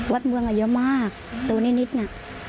วัดเมืองอ่ะเยอะมากตัวนิดน่ะ